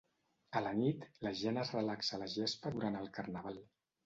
A la nit, la gent es relaxa a la gespa durant el carnaval.